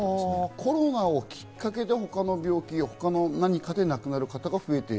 コロナをきっかけで他の何かで亡くなる方が増えている。